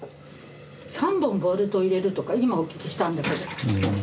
３本ボルト入れるとか今お聞きしたんだけど。